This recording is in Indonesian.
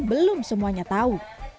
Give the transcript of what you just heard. tapi belum semuanya tahu